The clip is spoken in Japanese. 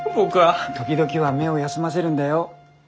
時々は目を休ませるんだよ。